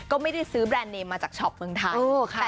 ก็ไม่ได้ซื้อแบรนด์เนมมาจากช็อปเมืองไทย